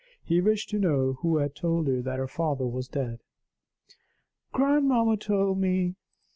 He wished to know who had told her that her father was dead. "Grandmamma told me."